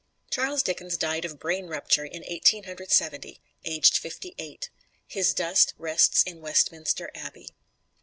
Charles Dickens died of brain rupture in Eighteen Hundred Seventy, aged fifty eight. His dust rests in Westminster Abbey.